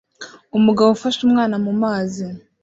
Umugabo ufashe umwana mumazi